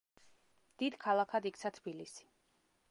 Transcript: დიდ ქალაქად იქცა თბილისი.